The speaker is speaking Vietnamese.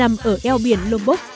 nằm ở eo biển lombok